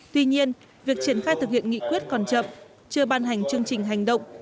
tuy nhiên việc triển khai thực hiện nghị quyết còn chậm chưa ban hành chương trình hành động